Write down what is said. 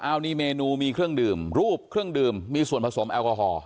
เอามีเมนูมีเครื่องดื่มรูปเครื่องดื่มมีส่วนผสมแอลกอฮอล